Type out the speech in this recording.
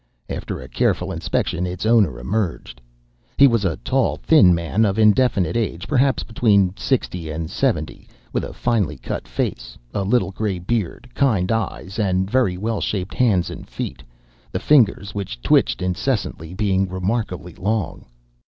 After a careful inspection its owner emerged. "He was a tall, thin man of indefinite age, perhaps between sixty and seventy, with a finely cut face, a little grey beard, kind eyes and very well shaped hands and feet, the fingers, which twitched incessantly, being remarkably long.